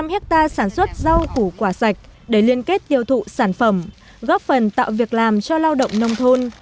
tỉnh hà nam đã sản xuất rau củ quả sạch để liên kết tiêu thụ sản phẩm góp phần tạo việc làm cho lao động nông thôn